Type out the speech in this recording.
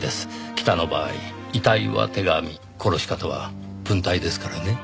北の場合遺体は手紙殺し方は文体ですからね。